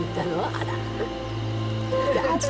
あら。